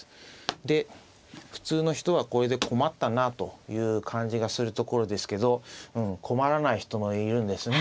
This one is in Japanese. で普通の人はこれで困ったなという感じがするところですけど困らない人もいるんですね。